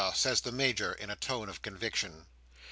says the Major, in a tone of conviction.